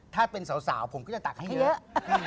ถ้าเป็นสาวผมก็จะตักให้เยอะ